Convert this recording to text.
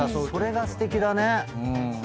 それがすてきだね。